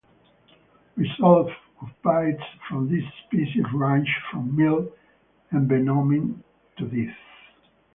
Results of bites from this species range from mild envenoming to death.